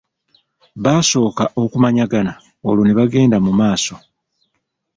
Basooka okumanyagana olwo ne bagenda mu maaso.